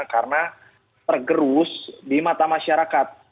karena tergerus di mata masyarakat